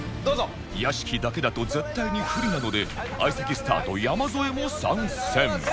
屋敷だけだと絶対に不利なので相席スタート山添も参戦